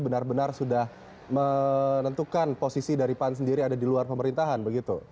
benar benar sudah menentukan posisi dari pan sendiri ada di luar pemerintahan begitu